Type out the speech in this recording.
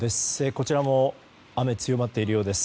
こちらも雨、強まっているようです。